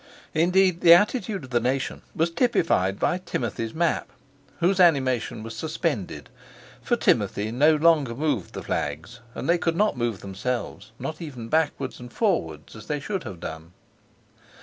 Indeed, the attitude of the nation was typified by Timothy's map, whose animation was suspended—for Timothy no longer moved the flags, and they could not move themselves, not even backwards and forwards as they should have done.